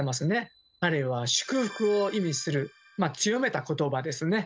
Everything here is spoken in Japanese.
あれは祝福を意味する強めたことばですね。